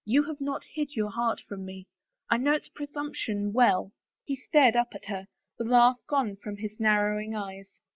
You have not hid your heart from me. I know its presumption well." He stared up at her, the laugh gone from his narrow ing eyes.